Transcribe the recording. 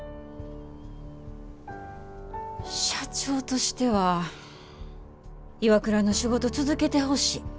社長としてはＩＷＡＫＵＲＡの仕事続けてほしい。